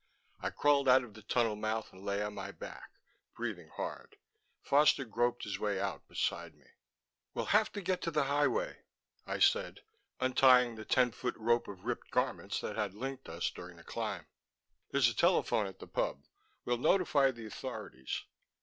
I crawled out of the tunnel mouth and lay on my back, breathing hard. Foster groped his way out beside me. "We'll have to get to the highway," I said, untying the ten foot rope of ripped garments that had linked us during the climb. "There's a telephone at the pub; we'll notify the authorities...."